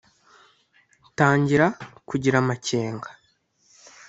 tangira kugira amakenga